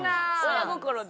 親心で。